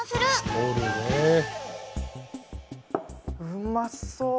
うまそう！